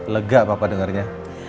lega papa dengarnya